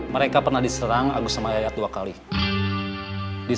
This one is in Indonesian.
mereka pernah diserang agus sama ayat dua kali